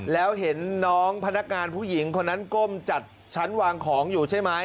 แล้วเห็นน้องพนักงานผู้หญิงคนนั้นก้มจัดชั้นวางของอยู่ใช่ไหม